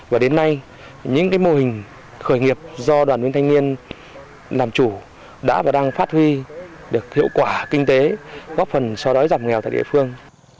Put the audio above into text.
và đến nay những mô hình khởi nghiệp do đoàn viên thanh niên làm chủ đã và đang phát huy được hiệu quả kinh tế góp phần so đói giảm nghèo tại địa phương